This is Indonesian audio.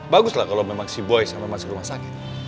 bagus lah kalo memang si boy sampai masuk ke rumah sakit